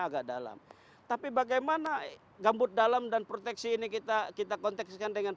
agak dalam tapi bagaimana gambut dalam dan proteksi ini kita kita konteksikan dengan